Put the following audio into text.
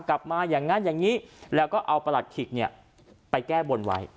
กลับมาอย่างนั้นอย่างนี้แล้วก็เอาประหลัดขิกเนี่ยไปแก้บนไว้